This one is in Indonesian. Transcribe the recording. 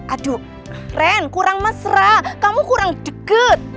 aduh keren kurang mesra kamu kurang deket